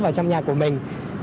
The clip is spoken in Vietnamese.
vào trong nhà của mình